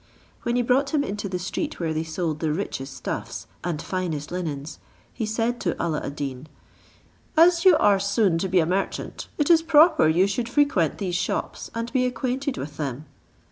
When he brought him into the street where they sold the richest stuffs, and finest linens, he said to Alla ad Deen, "As you are soon to be a merchant, it is proper you should frequent these shops, and be acquainted with them."